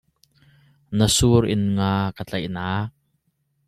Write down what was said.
Na sur in nga ka tlaih nak.